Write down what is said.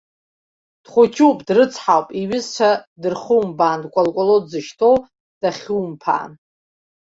Дхәыҷуп, дрыцҳауп, иҩызцәа дырхумбаан, дкәалкәало дзышьҭоу дахьумԥаан!